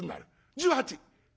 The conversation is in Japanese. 「１８。